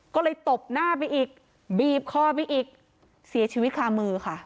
ก็เลยตบหน้าไปอีกบีบคอไปอีกเสียชีวิตคามือค่ะ